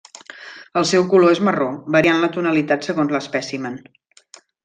El seu color és marró, variant la tonalitat segons l'espècimen.